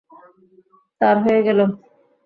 তার হয়ে গেলো।